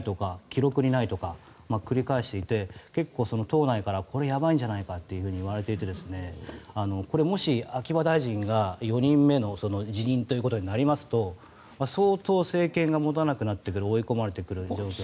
記録にないとか繰り返していて結構、党内からこれやばいんじゃないかといわれていてこれもし、秋葉大臣が４人目の辞任となりますと相当、政権が持たなくなってくる追い込まれてくると。